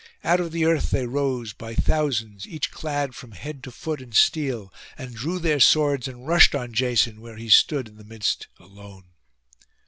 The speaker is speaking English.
Out of the earth they rose by thousands, each clad from head to foot in steel, and drew their swords and rushed on Jason, where he stood in the midst alone.